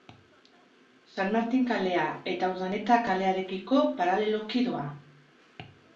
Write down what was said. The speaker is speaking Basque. San Martin kalea eta Urdaneta kalearekiko paraleloki doa.